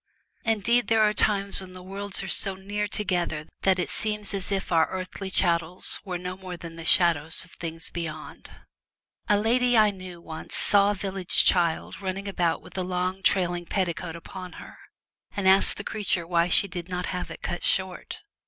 Indeed there are times when the worlds are so near together that it seems as if our earthly chattels were no more than the shadows of things beyond. A lady I knew once saw a village child running about with a long trailing petticoat 165 together of Heaven, Earth, and Purgatory. The upon her, and asked the creature why she Celtic f ' 7 Twilight, did not have it cut short.